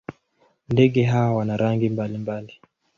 Ndege hawa wana rangi mbalimbali.